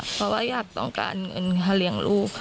เพราะว่าอยากต้องการเงินค่าเลี้ยงลูกค่ะ